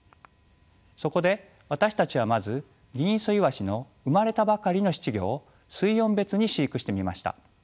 そこで私たちはまずギンイソイワシの産まれたばかりの仔稚魚を水温別に飼育してみました。